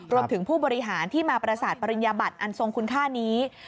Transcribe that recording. ผู้บริหารที่มาประสาทปริญญาบัตรอันทรงคุณค่านี้